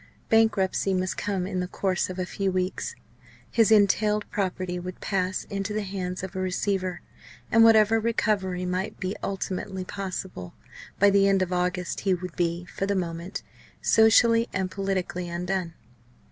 Bankruptcy must come in the course of a few weeks; his entailed property would pass into the hands of a receiver; and whatever recovery might be ultimately possible, by the end of August he would be, for the moment, socially and politically undone.